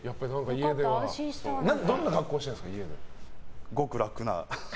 家ではどんな格好をしてるんですか？